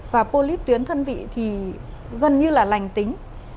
và polip tuyến thân vị thì gần như là lành tuyến